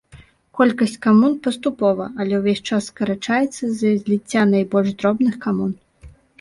Колькасць камун паступова, але ўвесь час скарачаецца з-за зліцця найбольш дробных камун.